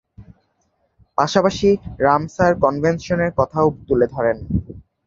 পাশাপাশি রামসার কনভেনশনের কথাও তুলে ধরেন।